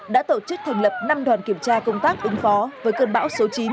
đã tổ chức thành lập năm đoàn kiểm tra công tác ứng phó với cơn bão số chín